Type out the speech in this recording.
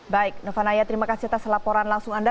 baik novanaya terima kasih atas laporan langsung anda